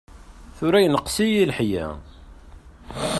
Tura yenqes-iyi leḥya.